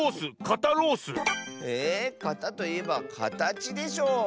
「かた」といえばかたちでしょ。